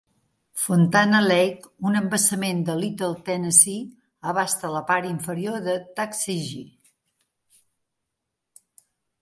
Fontana Lake, un embassament de Little Tennessee, abasta la part inferior de Tucksegee.